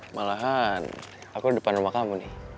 malahan aku depan rumah kamu nih